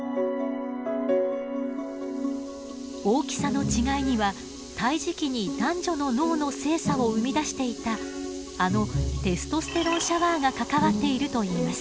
大きさの違いには胎児期に男女の脳の性差を生み出していたあのテストステロンシャワーが関わっているといいます。